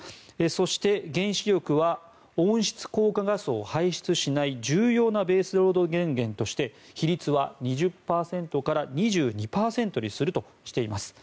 そして、原子力は温室効果ガスを排出しない重要なベースロード電源として比率は２０％から２２％にするとしています。